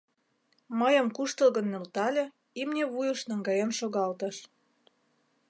Мыйым куштылгын нӧлтале, имне вуйыш наҥгаен шогалтыш.